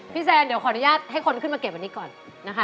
แซนเดี๋ยวขออนุญาตให้คนขึ้นมาเก็บวันนี้ก่อนนะคะ